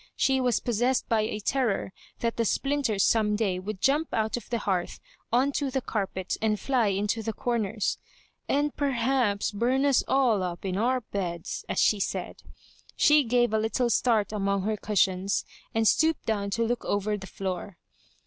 She was possessed by a terror that the splinters some day would jump out^of the hearth on to the carpet, and fly into the comers, "and perhaps bum us all up in our beds," as she said. She gave a little start among her cushions, and stooped down to look over the floor.